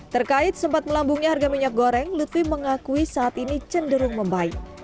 terkait sempat melambungnya harga minyak goreng lutfi mengakui saat ini cenderung membaik